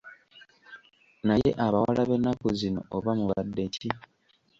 Naye abawala b’ennaku zino oba mubadde ki?